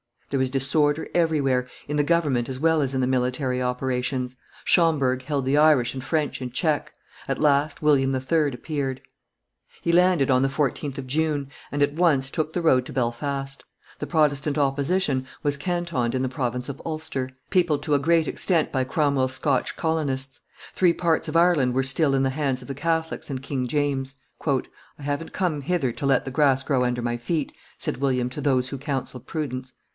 There was disorder everywhere, in the government as well as in the military operations; Schomberg held the Irish and French in check; at last William III. appeared. He landed on the 14th of June, and at once took the road to Belfast; the Protestant opposition was cantoned in the province of Ulster, peopled to a great extent by Cromwell's Scotch colonists; three parts of Ireland were still in the hands of the Catholics and King James. "I haven't come hither to let the grass grow under my feet," said William to those who counselled prudence.